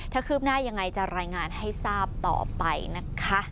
ถ้าคืบหน้ายังไงจะรายงานให้ทราบต่อไปนะคะ